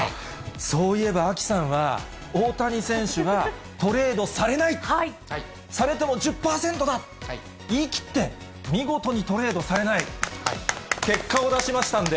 そういえばアキさんは、大谷選手がトレードされない、されても１０％だ、言い切って、見事にトレードされない、結果を出しましたんで。